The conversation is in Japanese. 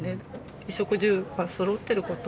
衣食住がそろってること。